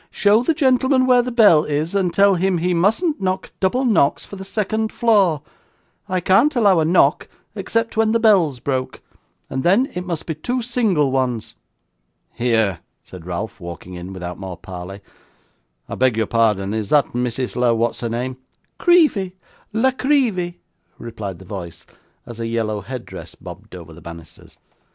'Show the gentleman where the bell is, and tell him he mustn't knock double knocks for the second floor; I can't allow a knock except when the bell's broke, and then it must be two single ones.' 'Here,' said Ralph, walking in without more parley, 'I beg your pardon; is that Mrs. La what's her name?' 'Creevy La Creevy,' replied the voice, as a yellow headdress bobbed over the banisters.